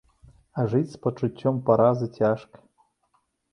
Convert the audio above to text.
А жыць з пачуццём паразы цяжка.